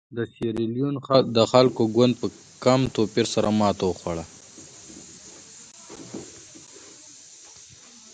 د سیریلیون د خلکو ګوند په کم توپیر سره ماته وخوړه.